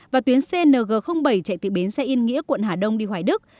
và tuyến cng bảy chạy từ bến xe yên nghĩa quận hà đông đi hoài đức